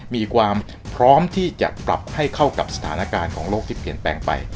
มีความพร้อมที่จะปรับให้เข้ากับสถานการณ์ของโลกที่เปลี่ยนแปลงไป